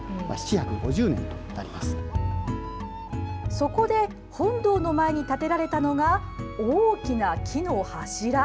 そこで、本堂の前に建てられたのが大きな木の柱。